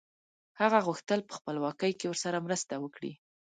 هغه غوښتل په خپلواکۍ کې ورسره مرسته وکړي.